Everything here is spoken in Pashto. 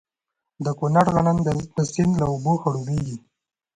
د کونړ غنم د سیند له اوبو خړوبیږي.